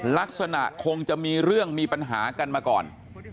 ลักษณะคงจะมีเรื่องมีปัญหากันมาก่อน